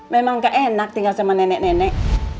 memang gak enak tinggal sama nenek nenek